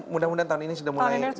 mudah mudahan tahun ini sudah mulai